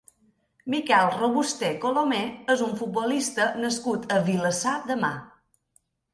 Miquel Robusté Colomer és un futbolista nascut a Vilassar de Mar.